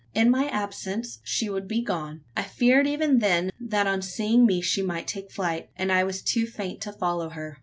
In my absence, she would be gone? I feared even then, that on seeing me she might take flight: and I was too faint to follow her.